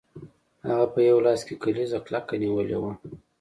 هغه په یو لاس کې کلیزه کلکه نیولې وه